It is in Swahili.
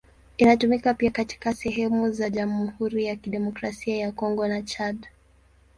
Inatumika pia katika sehemu za Jamhuri ya Kidemokrasia ya Kongo na Chad.